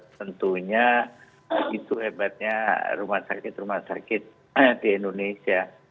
tentunya itu hebatnya rumah sakit rumah sakit di indonesia